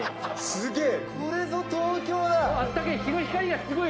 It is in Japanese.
すげえ！